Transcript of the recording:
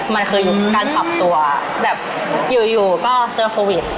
มันคือการปรับตัวแบบอยู่ก็เจอโควิด